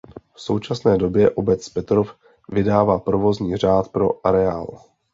V současné době obec Petrov vydává provozní řád pro areál.